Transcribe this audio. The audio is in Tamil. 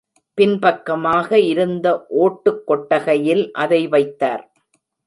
பின்பக்கமாக இருந்த ஓட்டுக் கொட்டகையில் அதை வைத்தார்.